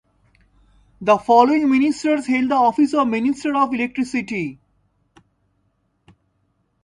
The following ministers held the office of Minister of Electricity.